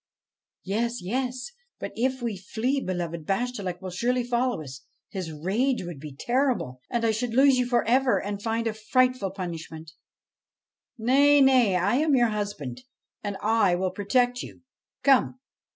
' Yes, yes ; but if we flee, beloved, Bashtchelik will surely follow us. His rage would be terrible, and I should lose you for ever, and find a frightful punishment.' in BASHTCHELIK ' Nay, nay ; I am your husband, and I will protect you ; come